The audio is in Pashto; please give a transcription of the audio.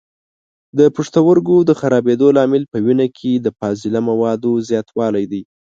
د پښتورګو د خرابېدلو لامل په وینه کې د فاضله موادو زیاتولی دی.